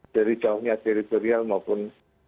dari jauhnya teritorial maupun